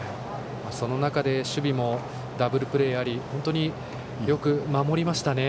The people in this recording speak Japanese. その中で、守備もダブルプレーあり本当によく守りましたね。